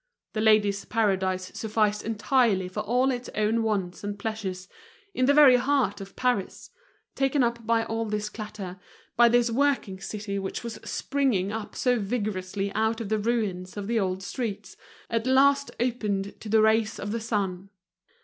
The Ladies' Paradise sufficed entirely for all its own wants and pleasures, in the very heart of Paris, taken up by all this clatter, by this working city which was springing up so vigorously out of the ruins of the old streets, at last opened to the rays of the sun.